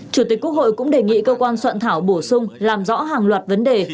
chủ tịch quốc hội cũng đề nghị cơ quan soạn thảo bổ sung làm rõ hàng loạt vấn đề